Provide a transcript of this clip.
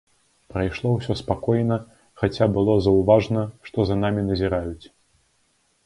Прайшло ўсё спакойна, хаця было заўважна, што за намі назіраюць.